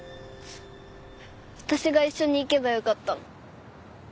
私が一緒に行けばよかったの。